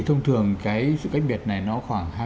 thông thường cái sự cách biệt này nó khoảng